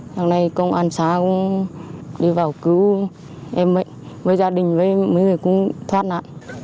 sáng nay công an sáng đi vào cứu em ấy với gia đình với mấy người cũng thoát nạn